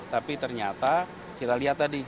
tapi ternyata kita lihat tadi